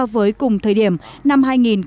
với cùng thời điểm năm hai nghìn một mươi tám